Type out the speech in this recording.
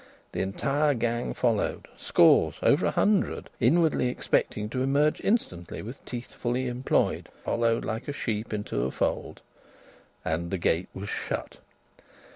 The entire gang followed scores, over a hundred inwardly expecting to emerge instantly with teeth fully employed, followed like sheep into a fold. And the gate was shut.